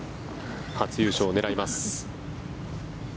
初優勝を狙います。